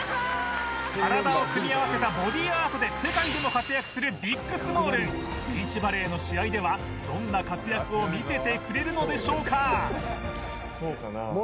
体を組み合わせたボディーアートで世界でも活躍するビックスモールンビーチバレーの試合ではどんな活躍を見せてくれるのでしょうか？